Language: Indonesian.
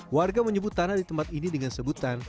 warga menyebut tanah di tempat ini dengan sebutan